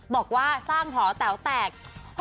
บอกว่าสร้างหอแต๋วแตก